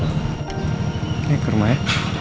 oke ke rumah ya